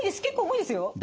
結構重いですよ。